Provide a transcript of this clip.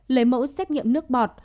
lấy mẫu xét nghiệm nước bọt